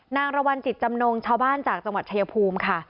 นางรวรรณจิตจำนงชาวบ้านจากจังหวัดชายภูมิค่ะ